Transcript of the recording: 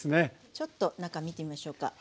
ちょっと中見てみましょうか。